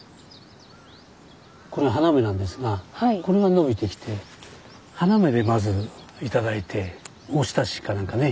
これ花芽なんですがこれが伸びてきて花芽でまずいただいておひたしか何かね。